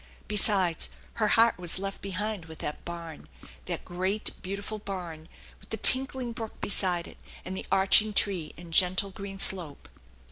; besides, her heart was left behind with that barn, that great^ beautiful barn with the tinkling brook beside it, and the arching tree and gentle green slope.